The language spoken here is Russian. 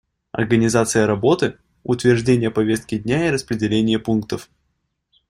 Организация работы, утверждение повестки дня и распределение пунктов.